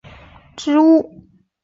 白皮柳为杨柳科柳属的植物。